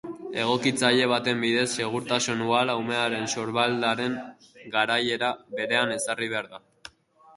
Egokitzaile baten bidez segurtasun uhala umearen sorbaldaren garaiera berean ezarri behar da.